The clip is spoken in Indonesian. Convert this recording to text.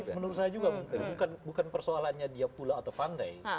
tapi menurut saya juga bukan persoalannya dia pulau atau pantai